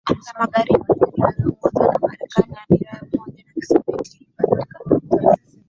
za magharibi zilizoongozwa na Marekani Athira ya Umoja wa Kisovyeti ilipanuka